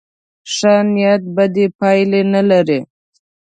ښه نیت بدې پایلې نه لري.